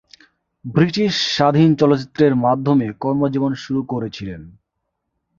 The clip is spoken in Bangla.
ব্রিটিশ স্বাধীন চলচ্চিত্রের মাধ্যমে কর্মজীবন শুরু করেছিলেন।